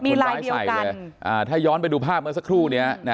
มีไลน์เดียวกันอ่าถ้าย้อนไปดูภาพเมื่อสักครู่เนี้ยอ่า